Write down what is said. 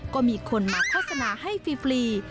ก็มีคนมาโฆษณาให้ฟรี